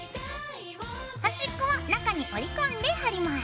端っこは中に折り込んで貼ります。